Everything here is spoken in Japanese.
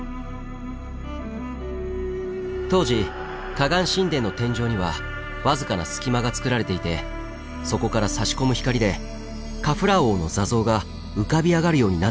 当時河岸神殿の天井には僅かな隙間がつくられていてそこからさし込む光でカフラー王の座像が浮かび上がるようになっていたと考えられています。